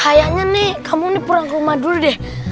dede kayaknya nih kamu pulang ke rumah dulu dede